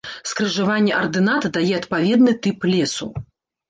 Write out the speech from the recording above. Скрыжаванне ардынат дае адпаведны тып лесу.